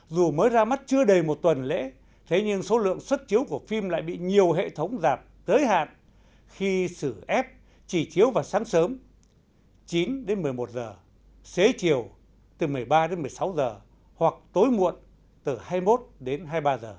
dù mới ra mắt chưa đầy một tuần lễ thế nhưng số lượng xuất chiếu của phim lại bị nhiều hệ thống rạp tới hạn khi xử ép chỉ chiếu vào sáng sớm chín đến một mươi một h xế chiều từ một mươi ba đến một mươi sáu h hoặc tối muộn từ hai mươi một đến hai mươi ba h